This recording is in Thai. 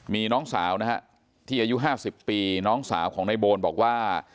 มีน้องสาวนะฮะที่อายุ๕๐ปีน้องสาวของในโบนบอกว่า